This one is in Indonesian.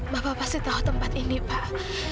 bapak pasti tahu tempat ini pak